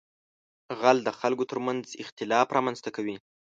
غل د خلکو تر منځ اختلاف رامنځته کوي